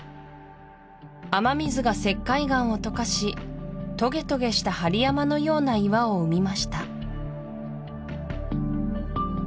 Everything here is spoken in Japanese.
雨水が石灰岩を溶かしトゲトゲした針山のような岩を生みました